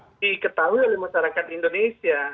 ini terbentuk diketahui oleh masyarakat indonesia